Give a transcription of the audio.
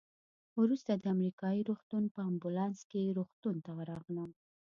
وروسته د امریکایي روغتون په امبولانس کې روغتون ته ورغلم.